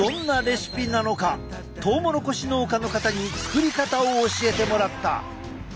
トウモロコシ農家の方に作り方を教えてもらった。